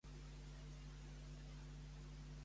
Havia sigut president amb anterioritat Isús?